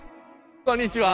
こんにちは。